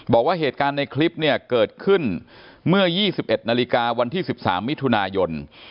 บอกว่าเหตุการณ์ในคลิปเนี่ยเกิดขึ้นเมื่อ๒๑นาฬิกาวันที่๑๓มิถุนายน